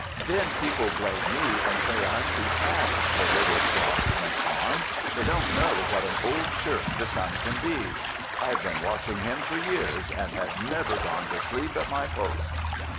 "Then people blame me and say I'm too fast," the little clock went on. "They don't know what an old shirk the sun can be. I've been watching him for years and have never gone to sleep at my post."